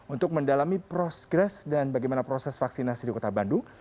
untuk mendalami prosgres dan bagaimana proses vaksinasi di kota bandung